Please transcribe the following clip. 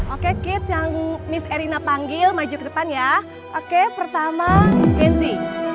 oke kits yang miss erina panggil maju ke depan ya oke pertama kenzi